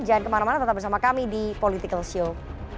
jangan kemana mana tetap bersama kami di political show